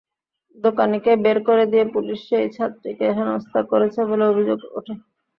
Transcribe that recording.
দোকানিকে বের করে দিয়ে পুলিশ সেই ছাত্রীকে হেনস্তা করেছে বলে অভিযোগ ওঠে।